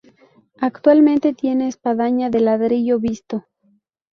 Actualmente tiene espadaña de ladrillo visto.